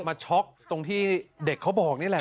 ช็อกตรงที่เด็กเขาบอกนี่แหละ